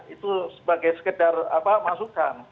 itu sebagai sekedar masukan